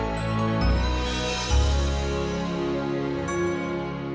jangan lupa like subscribe dan share ya